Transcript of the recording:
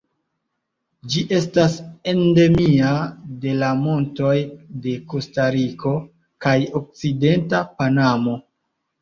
Ĝi estas endemia de la montoj de Kostariko kaj okcidenta Panamo.